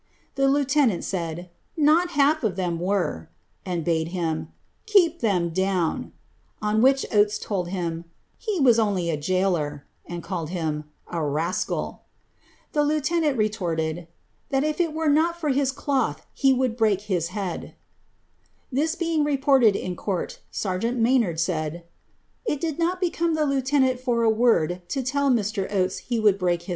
The lieutenant half of them were," and bade him " keep them down;" on s told him ^^he was only a jailor," and called him ^a rascal." nant retorted, ^' that if it were not for his cloth he would lead." This being reported in court, sergeant Maynard said, ; become the lieutenant for a word to tell Mr. Oates he would lead."